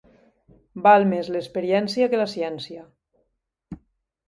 Val més l'experiència que la ciència.